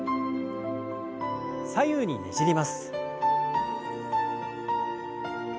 左右にねじります。